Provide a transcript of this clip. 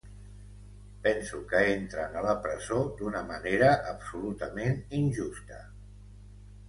Penso que entren a la presó d’una manera absolutament injusta.